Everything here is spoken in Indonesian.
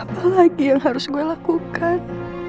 apalagi yang harus gue lakukan